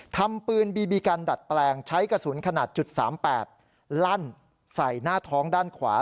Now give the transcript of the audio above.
ทำปืนบีบีกันดัดแปลงใช้กระสุนขนาด๓๘ลั่นใส่หน้าท้องด้านขวา